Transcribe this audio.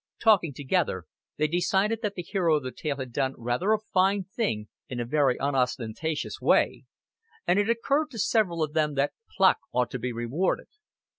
Talking together, they decided that the hero of the tale had done rather a fine thing in a very unostentatious way, and it occurred to several of them that pluck ought to be rewarded.